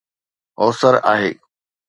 هوسر آهي